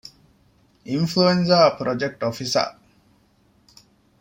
އިންފުލުއެންޒާ ޕްރޮޖެކްޓް އޮފިސަރ